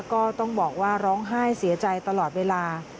ก็ต้องบอกว่าร้องไห้เสียใจตลอดเวลา